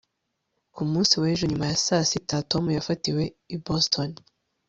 ku munsi w'ejo nyuma ya saa sita, tom yafatiwe i boston